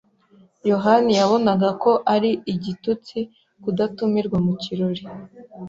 yohani yabonaga ko ari igitutsi kudatumirwa mu kirori.